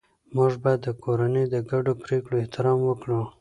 موږ باید د کورنۍ د ګډو پریکړو احترام وکړو